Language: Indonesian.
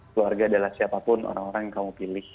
keluarga adalah siapapun orang orang yang kamu pilih